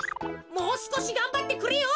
もうすこしがんばってくれよ。